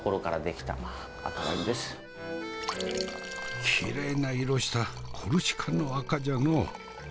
きれいな色したコルシカの赤じゃのう。